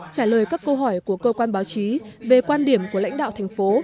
trả lời các câu hỏi của cơ quan báo chí về quan điểm của lãnh đạo thành phố